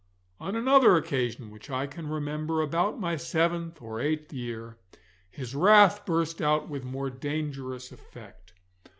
On another occasion which I can remember, about my seventh or eighth year, his wrath burst out with more dangerous effect.